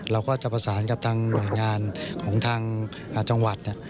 เราก็จะประสานกับทางหน่วยงานของทางจังหวัด